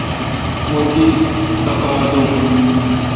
مہ تی ٹقار دوں۔